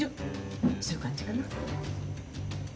そういう感じかな。